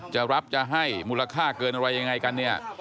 จะรับจะให้มูลค่าเกินอะไรยังไงกันเนี่ย